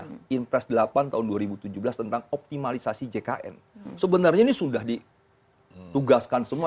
nah tapi kalau saya ingin pres delapan tahun dua ribu tujuh belas tentang optimalisasi jkn sebenarnya ini sudah ditugaskan semua